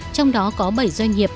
trong đó có bảy doanh nghiệp